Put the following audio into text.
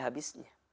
maka ada masanya